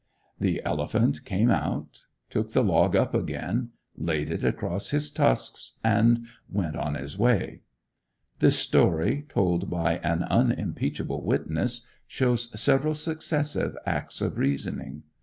The elephant came out, took the log up again, laid it across his tusks, and went on his way. This story, told by an unimpeachable witness, shows several successive acts of reasoning.